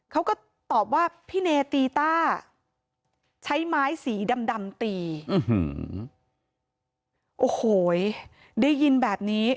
เขาก็ตอบว่าพี่เนตีต้าใช้ไม้สีดำดำตีโอ้โหได้ยินแบบนี้